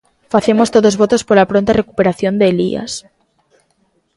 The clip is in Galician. Facemos todos votos pola pronta recuperación de Elías.